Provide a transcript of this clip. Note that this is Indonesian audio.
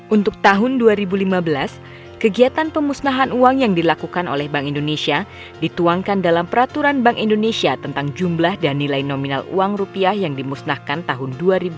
untuk tahun dua ribu lima belas kegiatan pemusnahan uang yang dilakukan oleh bank indonesia dituangkan dalam peraturan bank indonesia tentang jumlah dan nilai nominal uang rupiah yang dimusnahkan tahun dua ribu lima belas